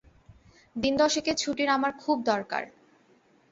দিন দশেকের ছুটির আমার খুব দরকার।